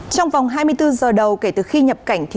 trong vòng hai mươi bốn giờ đầu kể từ khi nhập cảnh